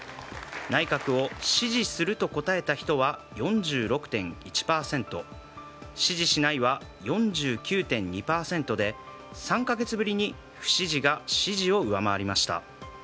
内閣を支持すると答えた人は４６．１％支持しないは４９．２％で３か月ぶりに不支持が支持を上回りました。